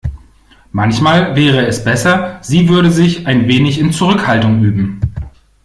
Manchmal wäre es besser, sie würde sich ein wenig in Zurückhaltung üben.